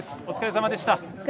お疲れさまでした。